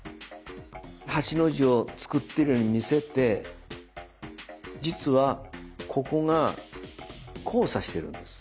８の字を作ってるように見せて実はここが交差しているんです。